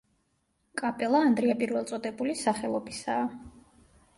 კაპელა ანდრია პირველწოდებულის სახელობისაა.